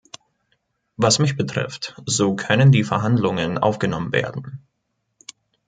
Was mich betrifft, so können die Verhandlungen aufgenommen werden.